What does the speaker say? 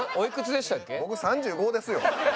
僕３５ですよ。